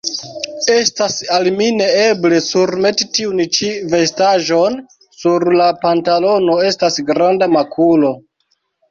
Estas al mi neeble surmeti tiun ĉi vestaĵon; sur la pantalono estas granda makulo.